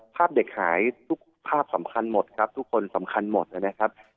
ภาพเด็กหายทุกภาพสำคัญหมดครับทุกคนสำคัญหมดนะครับ